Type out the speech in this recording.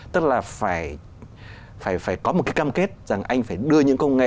tức là phải có một cái cam kết rằng anh phải đưa những công nghệ